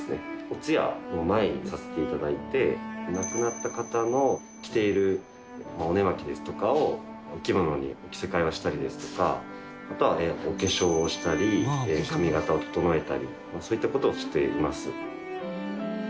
お通夜の前にさせて頂いて亡くなった方の着ているお寝間着ですとかをお着物にお着せ替えをしたりですとかあとはお化粧をしたり髪形を整えたりそういった事をしています。